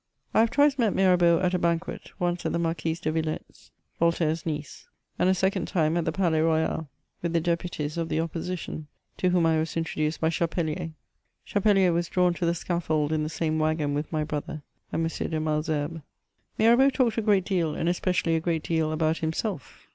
I have twice met Mirabeau at a banquet, once at the Marquise de Vilette's, Voltaire's niece, and a second time at the Palais Royale, with the Deputies of the Opposition, to whom I was introduced by Chapelier: Chapelier was drawn to the scaffold in the same wagon with my brother and M. de Malesherbes. Mirabeau talked a great deal, and especially a great deal about himself.